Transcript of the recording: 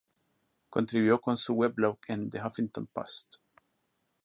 Contribuyó con su weblog en The Huffington Post.